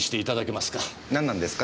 なんなんですか？